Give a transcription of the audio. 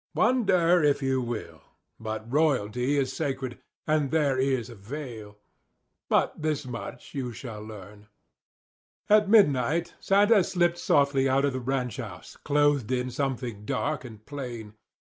Wonder, if you will; but royalty is sacred; and there is a veil. But this much you shall learn: At midnight Santa slipped softly out of the ranch house, clothed in something dark and plain.